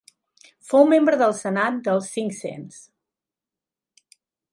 Fou membre del senat dels cinc-cents.